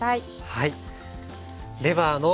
はい。